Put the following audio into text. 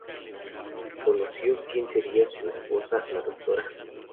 Y conoció quien sería su esposa, la Dra.